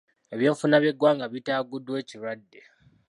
Ebyenfuna by’eggwanga bitaaguddwa ekirwadde.